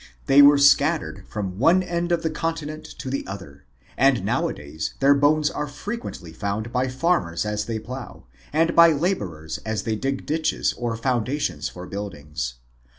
They were scattered from one end of the continent to the other, and nowadays their bones are frequently found by farmers as they plow, and by laborers as they dig ditches or foundations for buildings.